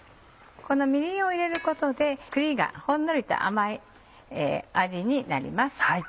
このみりんを入れることで栗がほんのりと甘い味になります。